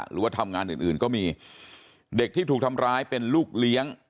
หรือว่าทำงานอื่นอื่นก็มีเด็กที่ถูกทำร้ายเป็นลูกเลี้ยง